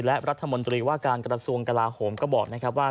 และรัฐมนตรีว่าการกระทรวงกลาโหมก็บอกนะครับว่า